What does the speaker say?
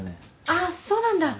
あっそうなんだ。